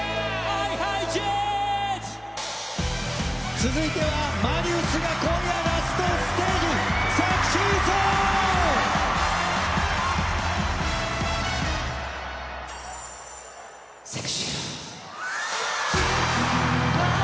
続いてはマリウスが今夜ラストステージＳｅｘｙＺｏｎｅ！